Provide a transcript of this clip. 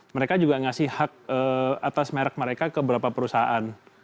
mereka juga ngasih hak atas merek mereka ke beberapa perusahaan